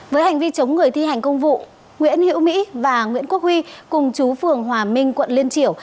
với hành vi chống người thi hành công vụ nguyễn hiễu mỹ và nguyễn quốc huy cùng chú phường hòa minh quận liên triểu